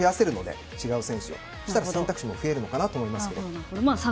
そうしたら選択肢も増えるのかなと思います。